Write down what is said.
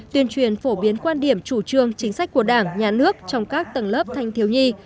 tuyên truyền phổ biến quan điểm chủ trương chính sách của đảng nhà nước trong các tầng lớp thanh thiếu nhi